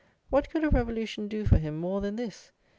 What could a revolution do for him more than this?